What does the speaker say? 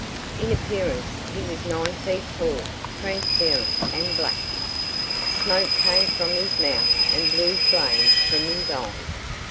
In appearance he was nine feet tall, transparent, and black. Smoke came from his mouth and blue flames from his eyes.